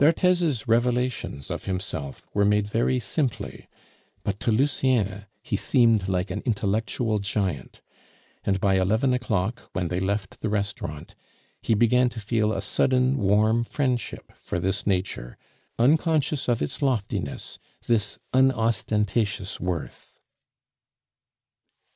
D'Arthez's revelations of himself were made very simply, but to Lucien he seemed like an intellectual giant; and by eleven o'clock, when they left the restaurant, he began to feel a sudden, warm friendship for this nature, unconscious of its loftiness, this unostentatious worth.